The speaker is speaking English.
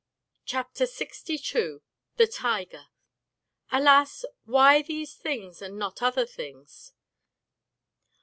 CHAPTER LXII THE TIGER Alas, why these things and not other things?